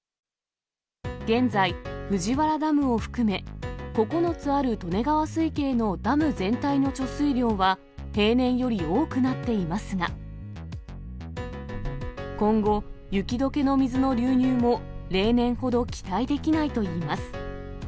現在、藤原ダムを含め、９つある利根川水系のダム全体の貯水量は、平年より多くなっていますが、今後、雪どけの水の流入も例年ほど期待できないといいます。